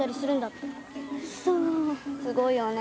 すごいよね。